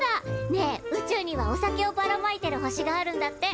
ねえ宇宙にはお酒をばらまいてる星があるんだって。